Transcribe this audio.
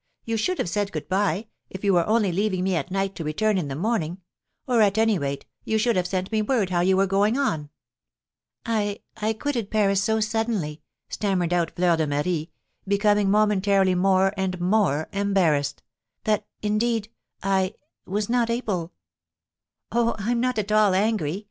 You should have said 'good bye,' if you were only leaving me at night to return in the morning; or, at any rate, you should have sent me word how you were going on." "I I quitted Paris so suddenly," stammered out Fleur de Marie, becoming momentarily more and more embarrassed, "that, indeed I was not able " "Oh, I'm not at all angry!